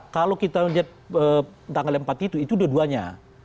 kalau kita lihat tanggal empat itu itu dua duanya